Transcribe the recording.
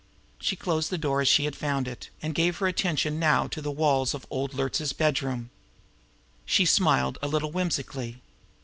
She closed the door as she had found it, and gave her attention now to the walls of old Luertz's bedroom. She smiled a little whimsically.